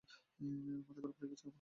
মাথা খারাপ হয়ে গেছে আপনার!